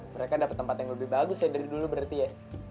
mereka dapat tempat yang lebih bagus ya dari dulu berarti ya